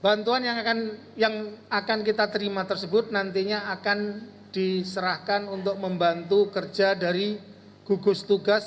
bantuan yang akan kita terima tersebut nantinya akan diserahkan untuk membantu kerja dari gugus tugas